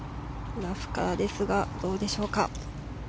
ラフからですがどうでしょうか。